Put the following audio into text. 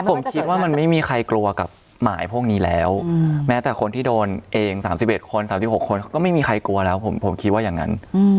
ผมคิดว่ามันไม่มีใครกลัวกับหมายพวกนี้แล้วแม้แต่คนที่โดนเอง๓๑คน๓๖คนก็ไม่มีใครกลัวแล้วผมคิดว่าอย่างนั้น